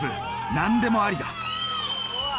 何でもありだ。